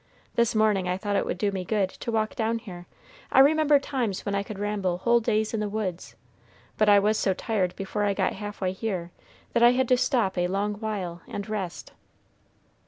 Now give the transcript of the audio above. This morning I thought it would do me good to walk down here. I remember times when I could ramble whole days in the woods, but I was so tired before I got half way here that I had to stop a long while and rest.